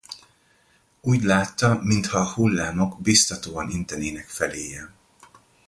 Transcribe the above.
Úgy látta, mintha a hullámok biztatóan intenének feléje.